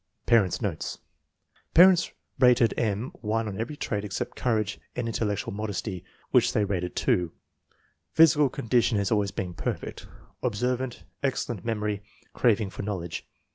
Parents 9 notes. Parents rated M. 1 on every trait except courage and intellectual modesty, which they rated 2. Physical condition has always been perfect. Observant, excellent memory, craving for knowledge.